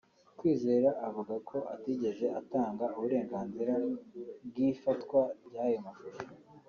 Kwizera avuga ko atigeze atanga uburenganzira bw’ ifatwa ry’ayo mashusho